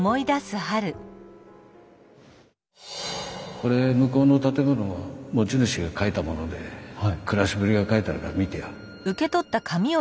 これ向こうの建物の持ち主が書いたもので暮らしぶりが書いてあるから見てよ。